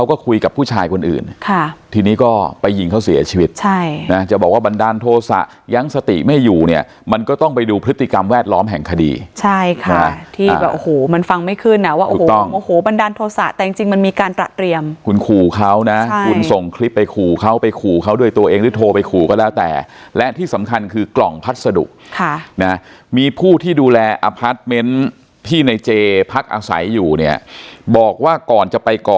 ความแวดล้อมแห่งคดีใช่ค่ะที่แบบโอ้โหมันฟังไม่ขึ้นนะว่าโอ้โหมันดันโทรศาสตร์แต่จริงมันมีการตรัสเรียมคุณขู่เขานะคุณส่งคลิปไปขู่เขาไปขู่เขาด้วยตัวเองหรือโทรไปขู่ก็แล้วแต่และที่สำคัญคือกล่องพัดสะดุค่ะนะมีผู้ที่ดูแลอพาร์ทเมนท์ที่ในเจพักอาศัยอยู่เนี่ยบอกว่าก่อนจะไปก